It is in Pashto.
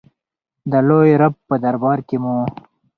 د لوی رب په دربار کې مو.